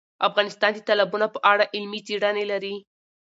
افغانستان د تالابونه په اړه علمي څېړنې لري.